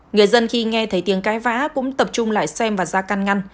người dân khi nghe thấy tiếng cái vã cũng tập trung lại xem và ra căn ngăn